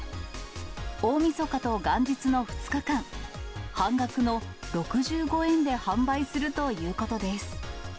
大みそかと元日の２日間、半額の６５円で販売するということです。